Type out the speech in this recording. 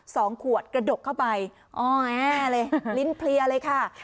สองขวดกระดกเข้าไปอ้อแอเลยลิ้นเพลียเลยค่ะ